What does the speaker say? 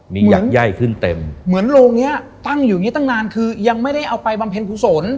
มีหยักแย่ขึ้นเต็มเหมือนโรงนี้ตั้งอยู่นี้ตั้งนานคือยังไม่ได้เอาไปบำเพ็ญผู้สน